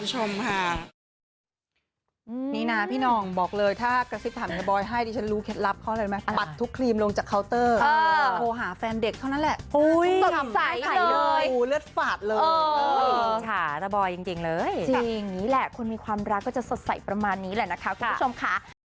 จากคณะซึ่งคอมเบอร์ดี้ทั้งคู่ก็อยากให้ติดตามผู้ชมค่ะ